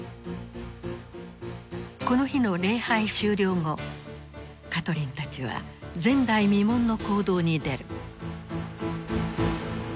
この日の礼拝終了後カトリンたちは前代未聞の行動に出る。